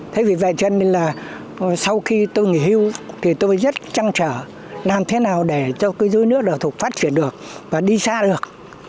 thế vì vậy cho nên là sau khi tôi nghỉ hưu thì tôi rất chăn trở làm thế nào để cho cái dối nước nào thuộc phát triển được và đi xa được